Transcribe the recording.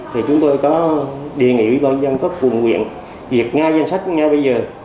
thì chúng tôi có đề nghị quý văn giao ủy quyền việc ngay danh sách ngay bây giờ